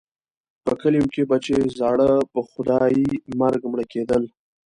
په کلیو کې به چې زاړه په خدایي مرګ مړه کېدل.